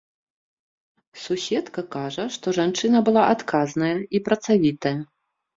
Суседка кажа, што жанчына была адказная і працавітая.